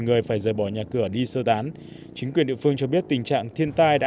người phải rời bỏ nhà cửa đi sơ tán chính quyền địa phương cho biết tình trạng thiên tai đã